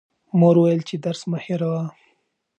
مور وویل چې درس مه هېروه.